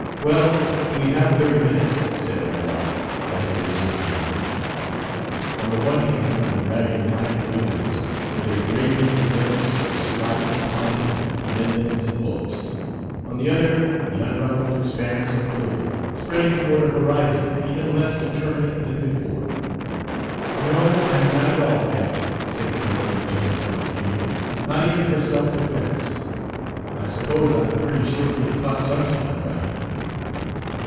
"Well, we have thirty minutes," said Randolph, as they resumed their march. On the one hand the ragged line of dunes with their draping, dense or slight, of pines, lindens and oaks; on the other the unruffled expanse of blue, spreading toward a horizon even less determinate than before. "No, I'm not at all apt," said Cope, returning to his theme; "not even for self defense. I suppose I'm pretty sure to get caught some time or other."